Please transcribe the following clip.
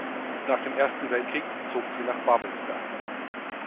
Nach dem Ersten Weltkrieg zog sie nach Babelsberg.